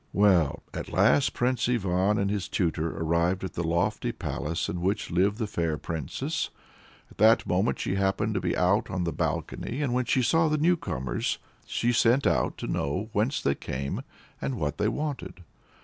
Well, at last Prince Ivan and his tutor arrived at the lofty palace in which lived the fair Princess. At that moment she happened to be out on the balcony, and when she saw the newcomers, she sent out to know whence they came and what they wanted.